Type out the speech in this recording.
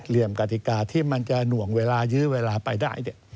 กติกาที่มันจะหน่วงเวลายื้อเวลาไปได้